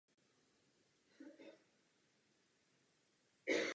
Listeny ve středních a vnějších řadách jsou zakončeny měkkými žlutými ostny.